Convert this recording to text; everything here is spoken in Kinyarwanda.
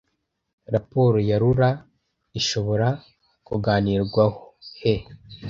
Raporo ya RURA ishobora kuganirwaho he